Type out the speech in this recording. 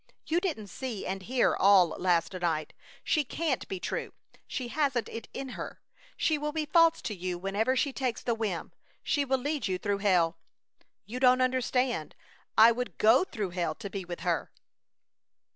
You didn't see and hear all last night. She can't be true! She hasn't it in her! She will be false to you whenever she takes the whim! She will lead you through hell!" "You don't understand. I would go through hell to be with her!"